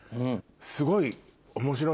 すごい。